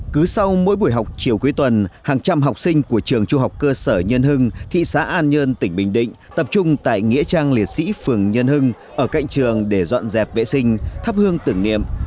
cứ sau mỗi buổi học chiều cuối tuần hàng trăm học sinh của trường trung học cơ sở nhân hưng thị xã an nhơn tỉnh bình định tập trung tại nghĩa trang liệt sĩ phường nhân hưng ở cạnh trường để dọn dẹp vệ sinh thắp hương tưởng niệm